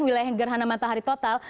wilayah gerhana matahari total